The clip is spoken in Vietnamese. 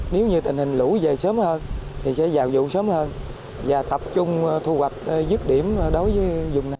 nếu như tình hình lũ về sớm hơn thì sẽ vào vụ sớm hơn và tập trung thu hoạch dứt điểm đối với dùng này